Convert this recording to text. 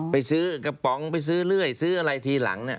ไปซื้อกระป๋องไปซื้อเรื่อยซื้ออะไรทีหลัง